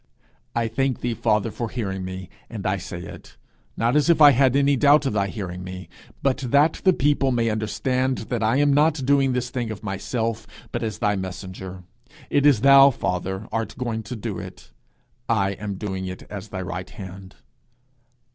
'I thank thee, father, for hearing me; and I say it, not as if I had had any doubt of thy hearing me, but that the people may understand that I am not doing this thing of myself, but as thy messenger. It is thou, father, art going to do it; I am doing it as thy right hand.